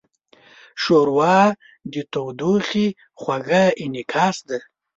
ښوروا د تودوخې خوږه انعکاس ده.